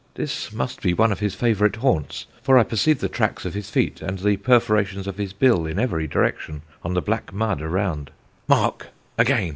This must be one of his favourite haunts, for I perceive the tracks of his feet and the perforations of his bill in every direction on the black mud around. Mark! again.